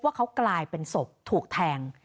ว่าเขากลายเป็นศพถูกแทง